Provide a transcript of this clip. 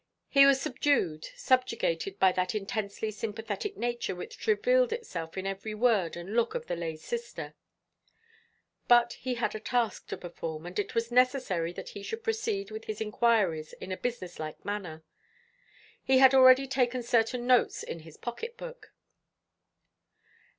He was subdued, subjugated by that intensely sympathetic nature which revealed itself in every word and look of the lay sister. But he had a task to perform, and it was necessary that he should proceed with his inquiries in a business like manner. He had already taken certain notes in his pocket book.